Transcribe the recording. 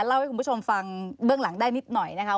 เล่าให้คุณผู้ชมฟังเบื้องหลังได้นิดหน่อยนะคะ